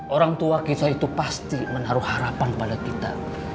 orang tua kita itu pasti menaruh harapan pada kita